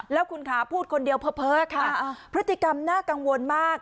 แล้วคุณขาพูดคนเดียวเผลอค่ะพฤติกรรมน่ากังวลมาก